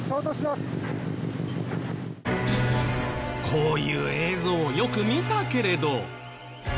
こういう映像よく見たけれど。